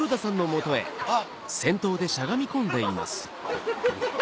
あっ！